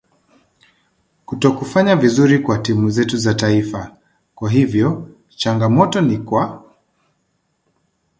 kutokufanya vizuri kwa timu zetu za taifa kwa hivyo changamoto ni kwa